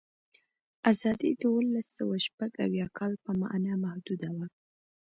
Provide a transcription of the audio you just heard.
آزادي د اوولسسوهشپږاویا کال په معنا محدوده وه.